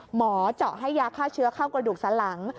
หมอเจาะให้ยาฆ่าเชื้อเข้ากระดูกสันหลัง